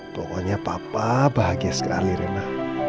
pokoknya papa bahagia sekali rena